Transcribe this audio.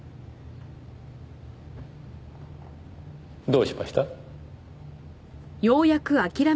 どうしました？